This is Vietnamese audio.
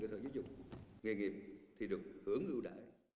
nhiều người đồng nghiệp thì được hưởng ưu đại